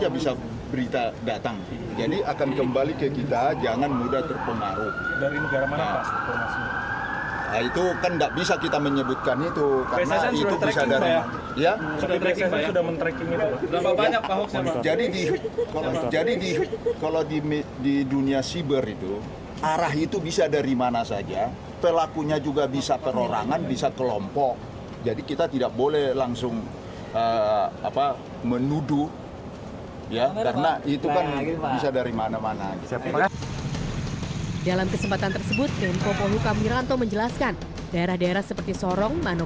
bagaimana bisa berita datang jadi akan kembali ke kita jangan mudah terpengaruh